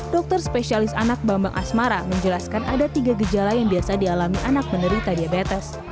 dokter spesialis anak bambang asmara menjelaskan ada tiga gejala yang biasa dialami anak menderita diabetes